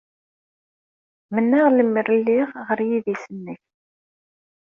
Mennaɣ lemmer lliɣ ɣer yidis-nnek.